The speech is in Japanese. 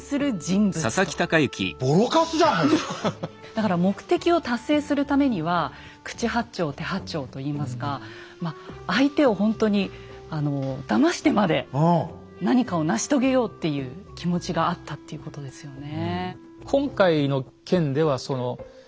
だから目的を達成するためには口八丁手八丁といいますかまあ相手をほんとにだましてまで何かを成し遂げようっていう気持ちがあったっていうことですよね。